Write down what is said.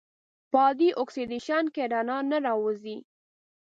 په عادي اکسیدیشن کې رڼا نه راوځي.